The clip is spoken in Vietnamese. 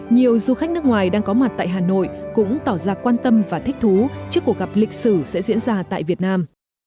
nhiều du khách nước ngoài đang có mặt tại hà nội cũng tỏ ra quan tâm và thích thú trước cuộc gặp lịch sử sẽ diễn ra tại việt nam